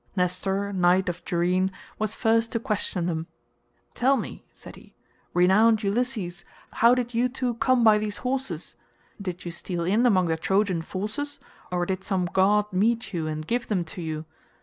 Nestor knight of Gerene was first to question them. "Tell me," said he, "renowned Ulysses, how did you two come by these horses? Did you steal in among the Trojan forces, or did some god meet you and give them to you?